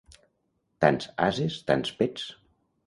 Tants ases, tants pets.